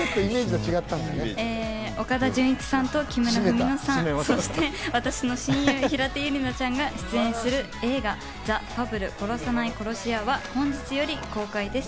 岡田准一さんと木村文乃さん、そして私の親友・平手友梨奈ちゃんが出演する映画『ザ・ファブル殺さない殺し屋』は本日より公開です。